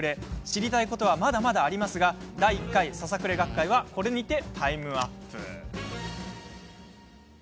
知りたいことはまだまだありますが第一回ささくれ学会はこれにてタイムアップ。